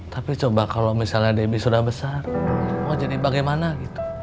tapi coba kalau misalnya debbie sudah besar mau jadi bagaimana gitu